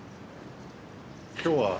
今日は？